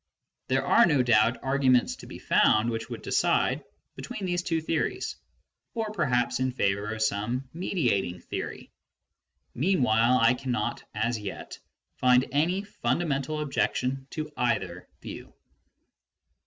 There are no doubt arguments to be found which would decide between these two theories, or perhaps in favour of some mediating theory. Mean while, I cannot as yet find any fundamental objection to either view.